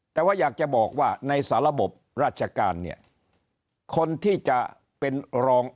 แต่ว่าอยากจะบอกว่าในสาระบบราชการเนี่ยคนที่จะเป็นรอง